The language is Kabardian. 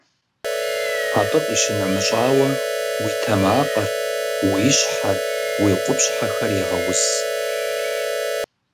Абы къищынэмыщӏауэ, уи тэмакъыр, уи щхьэр, уи къупщхьэхэр егъэуз.